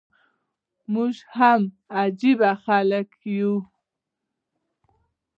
موږ هم عجبه خلک يو.